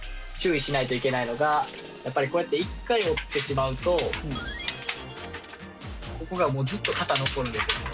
注意しないといけないのが、やっぱりこうやって、一回折ってしまうと、ここがもう、ずっと形が残るんですよね。